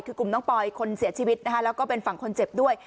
คือกลุ่มน้องปอยคนเสียชีวิตนะคะแล้วก็เป็นฝั่งคนเจ็บด้วย